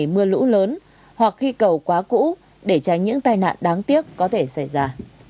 mưa lũ lớn hoặc khi cầu quá cũ để tránh những tai nạn đáng tiếc có thể xảy ra